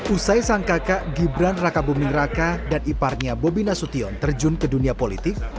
usai sang kakak gibran raka buming raka dan iparnya bobi nasution terjun ke dunia politik